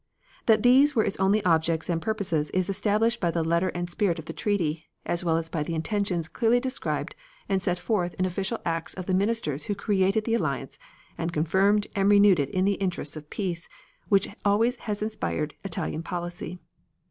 That these were its only objects and purposes is established by the letter and spirit of the treaty, as well as by the intentions clearly described and set forth in official acts of the ministers who created the alliance and confirmed and renewed it in the interests of peace, which always has inspired Italian policy.